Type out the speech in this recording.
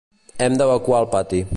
Hem d'evacuar el pati.